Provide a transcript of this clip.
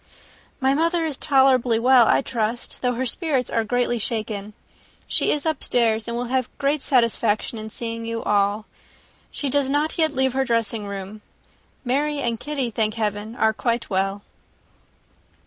"My mother is tolerably well, I trust; though her spirits are greatly shaken. She is upstairs, and will have great satisfaction in seeing you all. She does not yet leave her dressing room. Mary and Kitty, thank Heaven! are quite well."